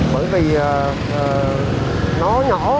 bởi vì nó nhỏ